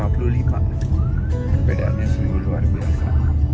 perbedaannya selalu luar biasa